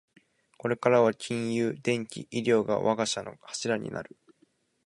これからは金融、電機、医療が我が社の柱になる